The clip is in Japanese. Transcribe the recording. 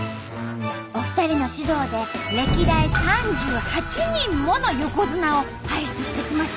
お二人の指導で歴代３８人もの横綱を輩出してきました。